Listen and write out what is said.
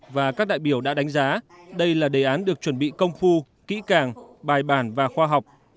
và các đại biểu đã đánh giá đây là đề án được chuẩn bị công phu kỹ càng bài bản và khoa học